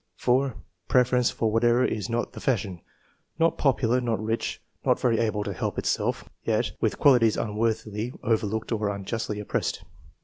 4. " Preference for whatever is not the fashion, not popular, not rich, not ver}^ ahle to help itself, yet with qualities unworthily overlooked or unjustly oppressed."